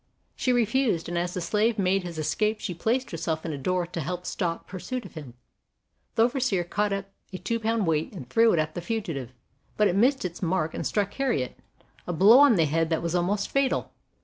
She refused, and as the slave made his escape she placed herself in a door to help to stop pur suit of him. The overseer caught up a two pound weight and threw it at the fugitive; but it missed its mark and struck Harriet a blow on the head that was almost fatal.